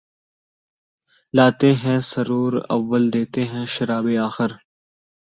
لاتے ہیں سرور اول دیتے ہیں شراب آخر